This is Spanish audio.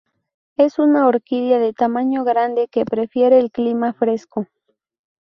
Es una orquídea de tamaño grande que prefiere el clima fresco.